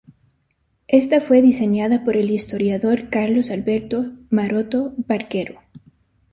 Esta fue diseñada por el historiador Carlos Alberto Maroto Barquero.